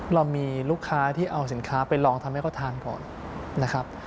เรามีลูกค้าที่เอาสินค้าไปลองทำให้เขาทานก่อนนะครับ